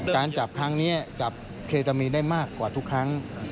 การจับครั้งนี้จับเคตามีนได้มากกว่าทุกครั้ง